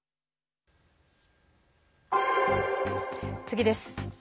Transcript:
次です。